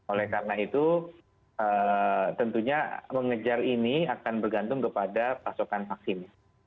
oleh karena itu tentunya mengejar ini akan bergantung kepada pasokan vaksin